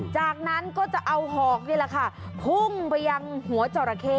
จากนั้นก็จะเอาหอกนี่แหละค่ะพุ่งไปยังหัวจราเข้